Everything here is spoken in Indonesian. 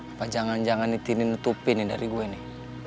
apa jangan jangan nih tini nutupin dari gua nih